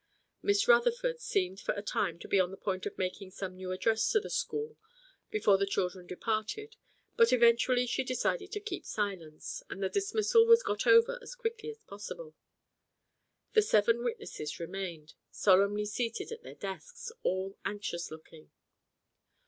Miss Rutherford seemed for a time to be on the point of making some new address to the school before the children departed, but eventually she decided to keep silence, and the dismissal was got over as quickly as possible. The seven witnesses remained, solemnly seated at their desks, all anxious looking.